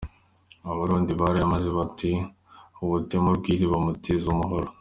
Abarundi barayamaze bati "Uwutema urwiwe bamutiza umuhoro".